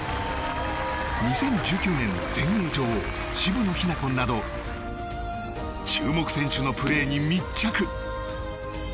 ２０１９年の全英女王渋野日向子など注目選手のプレーに密着。